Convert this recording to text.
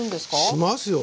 しますよ！